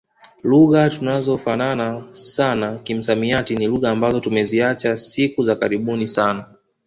Lugha tunazofanana sana kimsamiati ni lugha ambazo tumeziacha siku za karibuni sana